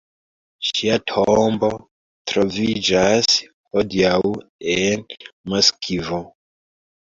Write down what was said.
Ŝia tombo troviĝas hodiaŭ en Moskvo.